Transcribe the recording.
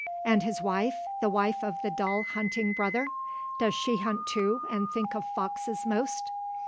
And his wife? the wife of the dull hunting brother? Does she hunt too and think of foxes most?"